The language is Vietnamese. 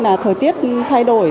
là thời tiết thay đổi